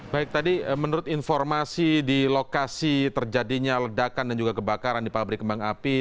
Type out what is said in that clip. baik tadi menurut informasi di lokasi terjadinya ledakan dan juga kebakaran di pabrik kembang api